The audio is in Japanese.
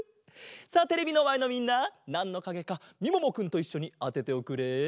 さあテレビのまえのみんななんのかげかみももくんといっしょにあてておくれ。